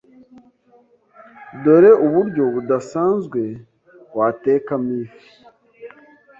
dore uburyo budasanzwe watekamo ifi